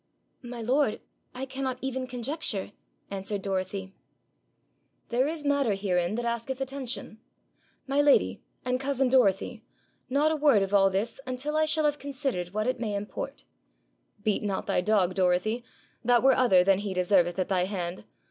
'My lord, I cannot even conjecture,' answered Dorothy. 'There is matter herein that asketh attention. My lady, and cousin Dorothy, not a word of all this until I shall have considered what it may import! Beat not thy dog, Dorothy: that were other than he deserveth at thy hand.